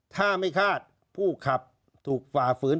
ถ้าไม่คาดผู้ขับถูกฝ่าฝืน